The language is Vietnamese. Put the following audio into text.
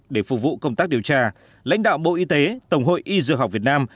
để phục vụ công tác điều tra lãnh đạo bộ y tế tổng hội y dược học việt nam